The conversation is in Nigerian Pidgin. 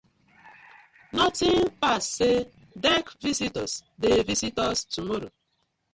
Notin pass say dek visitors dey visit us tomorrow,